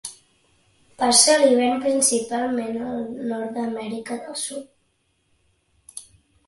Passa l'hivern, principalment, al nord d'Amèrica del Sud.